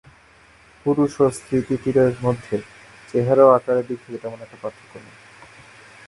পুরুষ ও স্ত্রী তিতিরের মধ্যে চেহারা ও আকারের দিক থেকে তেমন একটা পার্থক্য নেই।